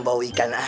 bau ikan asin nih